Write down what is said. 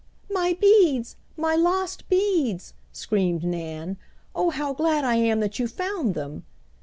"My beads! My lost beads!" screamed Nan. "Oh, how glad I am that you found them!"